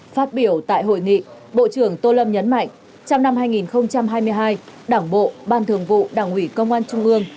phát biểu tại hội nghị bộ trưởng tô lâm nhấn mạnh trong năm hai nghìn hai mươi hai đảng bộ ban thường vụ đảng ủy công an trung ương